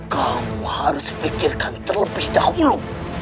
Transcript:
kamu harus fikirkan terlebih dahulu